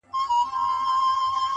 په قېمت لکه سېپۍ او مرغلري!.